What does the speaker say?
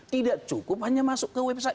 tidak cukup hanya masuk ke website